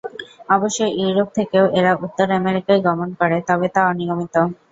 অবশ্য ইউরোপ থেকেও এরা উত্তর আমেরিকায় গমন করে, তবে তা অনিয়মিত।